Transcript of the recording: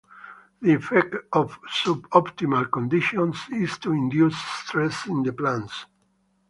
The effect of sub-optimal conditions is to induce stress in the plants.